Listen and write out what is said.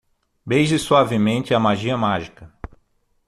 Beije suavemente a magia mágica